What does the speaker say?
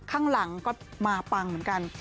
ข้างหลังก็มาปังเหมือนกัน